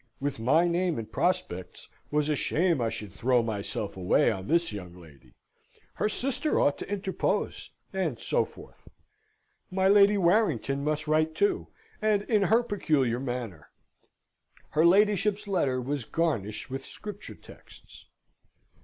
With my name and prospects, 'twas a shame I should throw myself away on this young lady; her sister ought to interpose and so forth. My Lady Warrington must write, too, and in her peculiar manner. Her ladyship's letter was garnished with scripture texts.